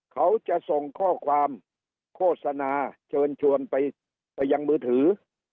เขาจะส่งข้อความโฆษณาเชิญชวนไปยังมือถือ